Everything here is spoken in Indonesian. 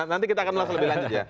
nanti kita akan melihat lebih lanjut